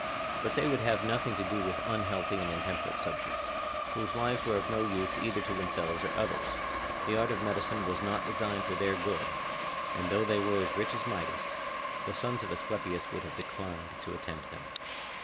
But they would have nothing to do with unhealthy and intemperate subjects, whose lives were of no use either to themselves or others; the art of medicine was not designed for their good, and though they were as rich as Midas, the sons of Asclepius would have declined to attend them.